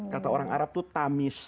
kata orang arab itu tamis